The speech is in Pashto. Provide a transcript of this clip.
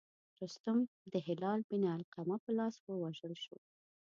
رستم د هلال بن علقمه په لاس ووژل شو.